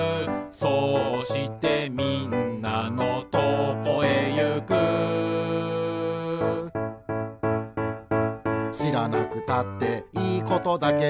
「そうしてみんなのとこへゆく」「しらなくたっていいことだけど」